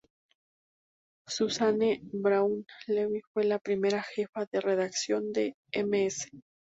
Suzanne Braun Levine fue la primera jefa de redacción de Ms.